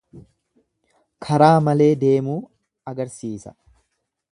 Karaa malee deemuu agarsiisa.